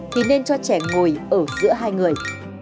thì nên cho trẻ ngồi ở giữa hai người